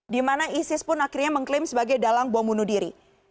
di mana isis pun akhirnya mengklaim sebagai dalang bom bunuh diri